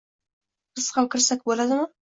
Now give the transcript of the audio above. biz ham kirsak bo'ladimi?